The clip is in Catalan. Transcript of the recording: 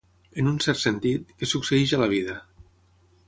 En un cert sentit, que succeeix a la vida.